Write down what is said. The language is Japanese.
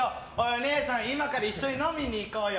お姉さん、今から一緒に飲みに行こうよ。